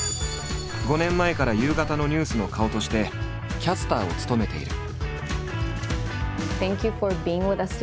５年前から夕方のニュースの顔としてキャスターを務めている。